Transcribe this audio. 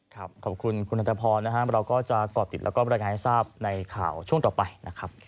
ขอบคุณคุณอันทพรนะครับเราก็จะก่อติดแล้วก็บรรยายงานให้ทราบในข่าวช่วงต่อไปนะครับ